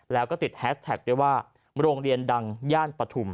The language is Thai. แล้วก็ติดแฮชแท็กเรียกว่าโรงเรียนดังญาติประธุม